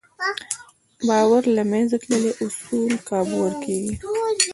باور له منځه تللی، اصول کابو ورکېږي.